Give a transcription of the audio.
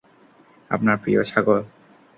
আপনার প্রিয় ছাগল।